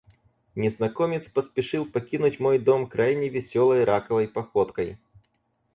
Незнакомец поспешил покинуть мой дом крайне весёлой раковой походкой.